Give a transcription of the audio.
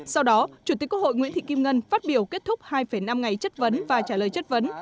sau đó chủ tịch quốc hội nguyễn thị kim ngân phát biểu kết thúc hai năm ngày chất vấn và trả lời chất vấn